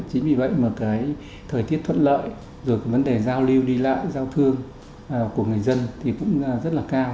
chính vì vậy thời tiết thuận lợi vấn đề giao lưu đi lại giao thương của người dân cũng rất cao